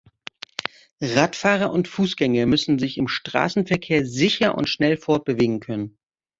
Radfahrer und Fußgänger müssen sich im Straßenverkehr sicher und schnell fortbewegen können.